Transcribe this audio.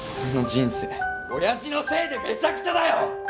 俺の人生親父のせいでめちゃくちゃだよ！